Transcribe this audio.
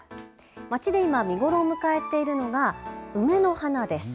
町で今、見頃を迎えているのが梅の花です。